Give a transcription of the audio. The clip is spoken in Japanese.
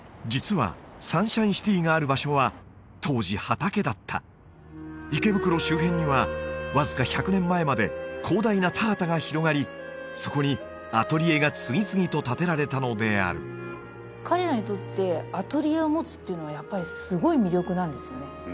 実はサンシャインシティがある場所は当時畑だった池袋周辺にはわずか１００年前まで広大な田畑が広がりそこにアトリエが次々と建てられたのである彼らにとってアトリエを持つっていうのはやっぱりすごい魅力なんですよね